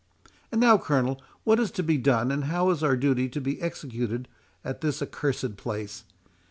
—And now, Colonel, what is to be done, and how is our duty to be executed at this accursed place?